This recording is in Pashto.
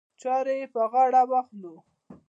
چارې یې پر غاړه واخلو.